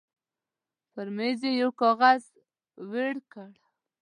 پر مېز يې يو کاغذ وېړ کړ.